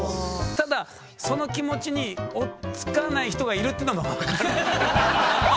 ただその気持ちに追っつかない人がいるっていうのも分かる。